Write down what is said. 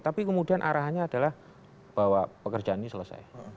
tapi kemudian arahannya adalah bahwa pekerjaan ini selesai